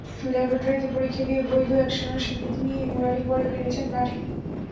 ল্যাবরেটরিতে পরীক্ষা দিয়ে, বৈধ অ্যাকশনের স্বীকৃতি নিয়েই মুরালি পরে ফিরেছেন মাঠে।